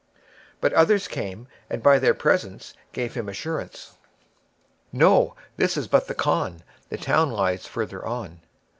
But others came, and by their presence gave him assurance. "No, this is but the khan; the town lies farther on."